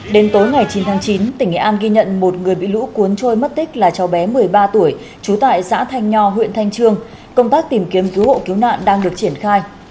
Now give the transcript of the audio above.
đến tối ngày chín tháng chín tỉnh nghệ an ghi nhận một người bị lũ cuốn trôi mất tích là cháu bé một mươi ba tuổi trú tại xã thanh nho huyện thanh trương công tác tìm kiếm cứu hộ cứu nạn đang được triển khai